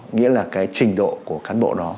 nghĩa là cái trình độ của cán bộ đó